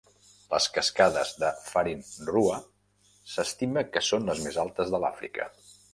Les cascades de Farin Ruwa s'estima que són les més altes de l'Àfrica.